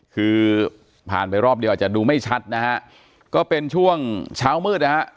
คือผ่านไปรอบเดียวอาจจะดูไม่ชัดนะฮะก็เป็นช่วงเช้ามืดนะฮะ